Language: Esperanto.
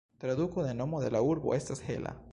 Traduko de nomo de la urbo estas "hela".